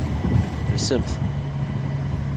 Lsemt.